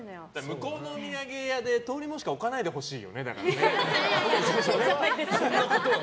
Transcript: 向こうのお土産屋で通りもんしか置かないでほしい。